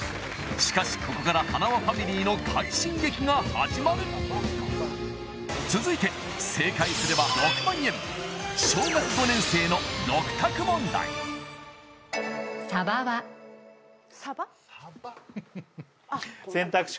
しかしここからはなわファミリーの快進撃が始まる続いて正解すれば６万円小学５年生の６択問題サバ？サバ選択肢